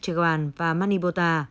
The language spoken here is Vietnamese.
chaguan và manipur